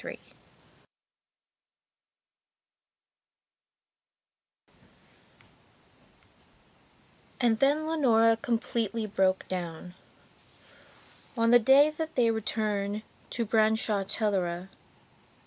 III AND then Leonora completely broke downon the day that they returned to Branshaw Teleragh.